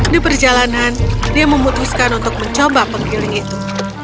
di perjalanan dia memutuskan untuk mencoba penggiling itu